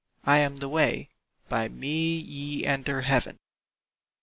I am the way, by me ye enter Heaven!"